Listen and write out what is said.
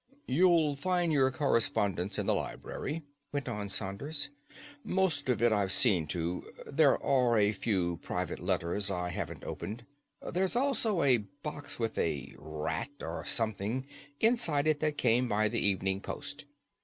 "You'll find your correspondence in the library," went on Saunders. "Most of it I've seen to. There are a few private letters I haven't opened. There's also a box with a rat, or something, inside it that came by the evening post.